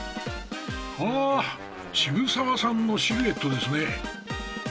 あ渋沢さんのシルエットですね。